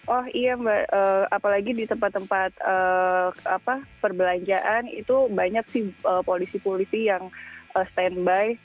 oh iya mbak apalagi di tempat tempat perbelanjaan itu banyak sih polisi polisi yang standby